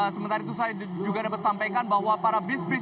sementara itu saya juga dapat sampaikan bahwa para bis bis